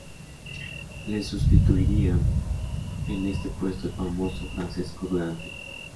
Le sustituiría en este puesto el famoso Francesco Durante.